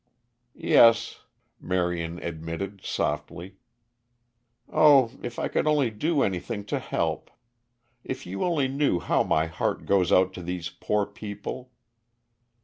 "Yes," Marion admitted, softly. "Oh, if I could only do anything to help. If you only knew how my heart goes out to these poor people!"